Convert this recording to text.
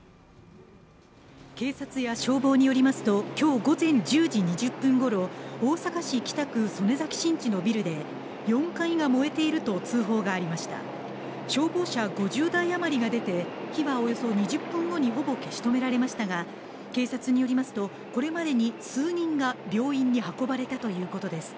警察や消防によりますときょう午前１０時２０分ごろ大阪市北区曽根崎新地のビルで４階が燃えていると通報がありました消防車５０台余りが出て火はおよそ２０分後にほぼ消し止められましたが警察によりますとこれまでに数人が病院に運ばれたということです